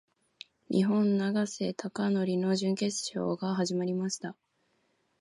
日本・永瀬貴規の準決勝が始まりました。